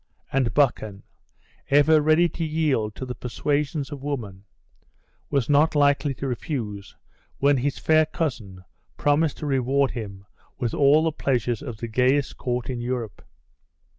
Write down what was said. And Buchan, ever ready to yield to the persuasions of woman, was not likely to refuse, when his fair cousin promised to reward him with all the pleasures of the gayest court in Europe.